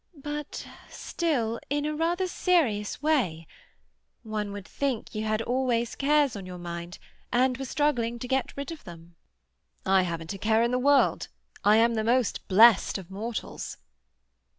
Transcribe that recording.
But—still in a rather serious way. One would think you always had cares on your mind, and were struggling to get rid of them." "I haven't a care in the world. I am the most blessed of mortals."